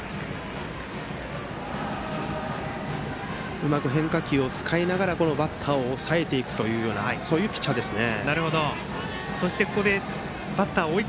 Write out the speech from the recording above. うまく変化球を使いながらバッターを抑えていくというそういうピッチャーですね。